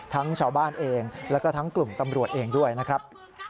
ชาวบ้านเองแล้วก็ทั้งกลุ่มตำรวจเองด้วยนะครับ